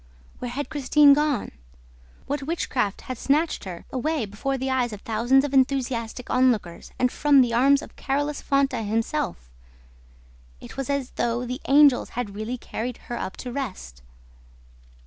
Where had Christine gone? What witchcraft had snatched her, away before the eyes of thousands of enthusiastic onlookers and from the arms of Carolus Fonta himself? It was as though the angels had really carried her up "to rest."